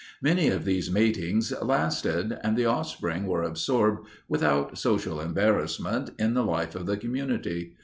Many of these matings lasted and the offspring were absorbed without social embarrassment in the life of the community.